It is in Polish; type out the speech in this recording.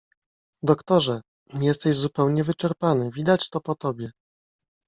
"Doktorze jesteś zupełnie wyczerpany, widać to po tobie."